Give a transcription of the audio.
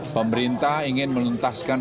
pemerintah ingin melintaskan